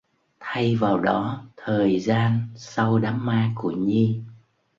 Thay vào đó thời gian sau đám ma của Nhi